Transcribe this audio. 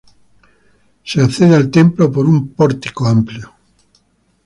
Se accede al templo por un pórtico amplio.